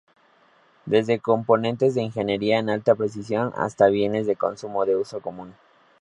Desde componentes de ingeniería de alta precisión hasta bienes de consumo de uso común.